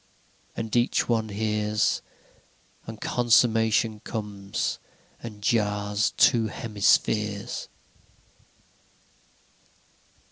And each one hears, And consummation comes, and jars two hemispheres.